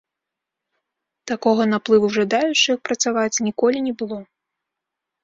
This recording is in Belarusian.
Такога наплыву жадаючых працаваць ніколі не было.